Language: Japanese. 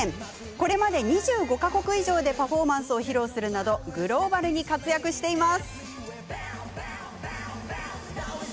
これまで２５か国以上でパフォーマンスを披露するなどグローバルに活躍しています。